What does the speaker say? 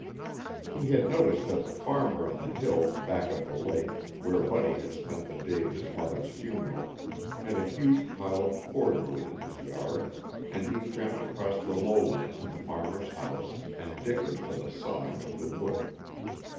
He had noticed that the farmer on the hill back of the lake, where Buddy had spent the day of his mother's funeral, had a huge pile of cord wood in his yard, and he tramped across the lowland to the farmer's house and dickered for the sawing of the wood.